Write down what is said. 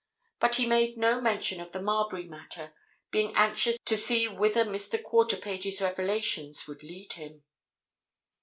But he made no mention of the Marbury matter, being anxious to see first whither Mr. Quarterpage's revelations would lead him.